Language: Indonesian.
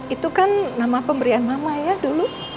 itu kan nama pemberian mama ya dulu